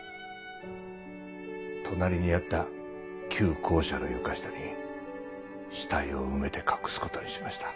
隣にあった旧校舎の床下に死体を埋めて隠すことにしました。